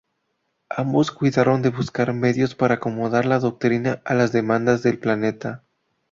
Ambos cuidaron de buscar medios para acomodar la doctrina a las demandas del planeta.